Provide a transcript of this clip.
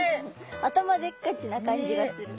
頭でっかちな感じがする。